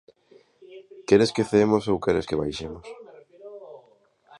¿Queres que ceemos ou queres que baixemos?